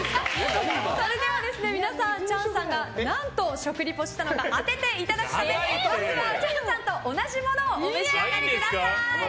それでは皆さん、チャンさんが何と食リポしたのか当てていただくためにまずはチャンさんと同じものをうれしい！